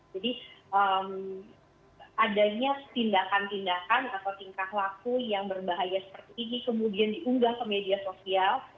jadi adanya tindakan tindakan atau tingkah laku yang berbahaya seperti ini kemudian diunggah ke media sosial